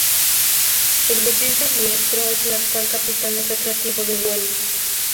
El defensa diestro es el actual capitán del Recreativo de Huelva.